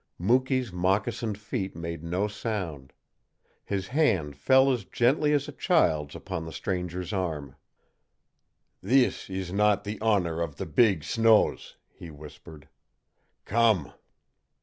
Mukee's moccasined feet made no sound. His hand fell as gently as a child's upon the stranger's arm. "Thees is not the honor of the beeg snows," he whispered. "Come!"